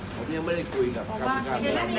ผมยังไม่ได้คุยกับกรรมการแบบนี้